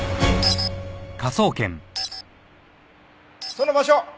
その場所！